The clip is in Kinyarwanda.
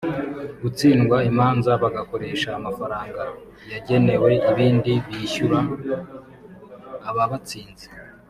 gutsindwa imanza bagakoresha amafaranga yagenewe ibindi bishyura ababatsinze